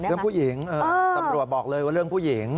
เรื่องผู้หญิงตำรวจบอกเลยว่าเรื่องผู้หญิง